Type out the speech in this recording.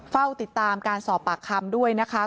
เฝ้าติดตามการสอบปากคำด้วยนะคะ